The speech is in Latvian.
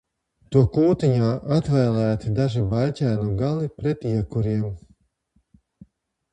To kūtiņā atvēlēti daži baļķēnu gali pat iekuriem.